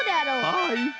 はい。